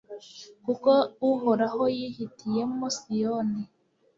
kuko uhoraho yihitiyemo siyoni